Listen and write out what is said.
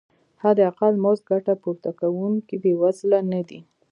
حداقل مزد ګټه پورته کوونکي بې وزله نه دي.